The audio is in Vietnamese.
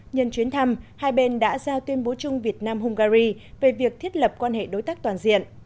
nhân chuyến thăm hai bên đã ra tuyên bố chung việt nam hungary về việc thiết lập quan hệ đối tác toàn diện